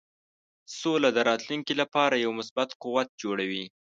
سوله د راتلونکې لپاره یو مثبت قوت جوړوي.